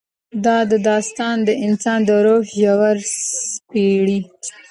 دا داستان د انسان د روح ژورې سپړي.